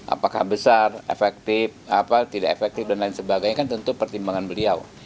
apakah besar efektif tidak efektif dan lain sebagainya kan tentu pertimbangan beliau